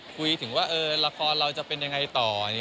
คุยถึงว่าละครเราจะเป็นยังไงต่อ